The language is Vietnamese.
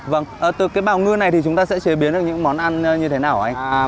vâng từ cái bào ngư này thì chúng ta sẽ chế biến được những món ăn như thế nào hả anh